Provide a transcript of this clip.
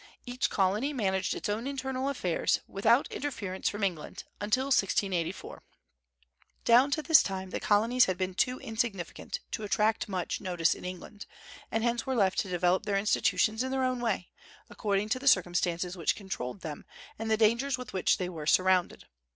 Each Colony managed its own internal affairs, without interference from England, until 1684. Down to this time the Colonies had been too insignificant to attract much notice in England, and hence were left to develop their institutions in their own way, according to the circumstances which controlled them, and the dangers with which they were surrounded.